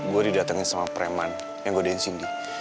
gue didatengin sama preman yang godain cindy